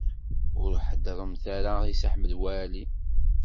Ur heddṛemt ara i Si Ḥmed Waɛli.